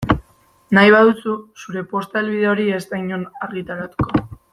Nahi baduzu zure posta helbide hori ez da inon argitaratuko.